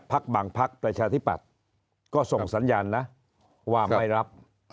บางพักประชาธิปัตย์ก็ส่งสัญญาณนะว่าไม่รับ